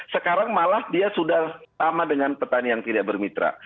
sekarang malah dia sudah sama dengan petani yang tidak bermitra